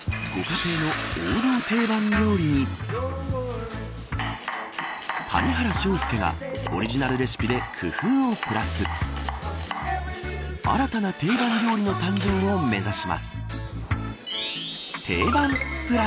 ご家庭の王道定番料理に谷原章介がオリジナルレシピで工夫を凝らす新たなテイバン料理の誕生を目指します。